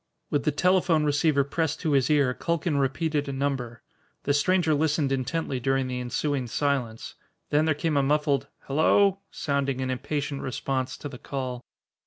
With the telephone receiver pressed to his ear, Culkin repeated a number. The stranger listened intently during the ensuing silence. Then there came a muffled "hello" sounding in impatient response to the call.